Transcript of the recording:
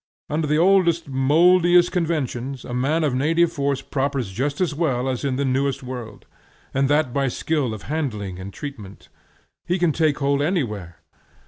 Under the oldest mouldiest conventions a man of native force prospers just as well as in the newest world, and that by skill of handling and treatment. He can take hold anywhere.